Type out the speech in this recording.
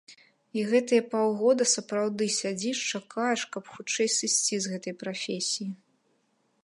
І гэтыя паўгода сапраўды сядзіш, чакаеш, каб хутчэй сысці з гэтай прафесіі.